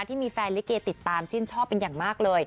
ที่มีแฟนลิเกติดตามชื่นชอบเป็นอย่างมากเลย